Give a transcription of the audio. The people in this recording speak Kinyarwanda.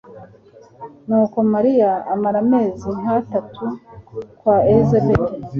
nuko mariya amara amezi nk atatu kwa elizabeti